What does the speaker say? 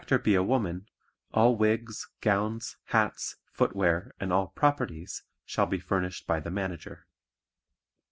(2) If the Actor be a woman, all wigs, gowns, hats, footwear and all "properties" shall be furnished by the Manager.